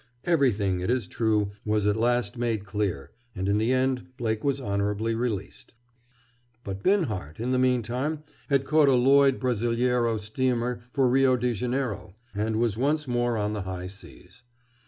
Everything, it is true, was at last made clear and in the end Blake was honorably released. But Binhart, in the meantime, had caught a Lloyd Brazileiro steamer for Rio de Janeiro, and was once more on the high seas.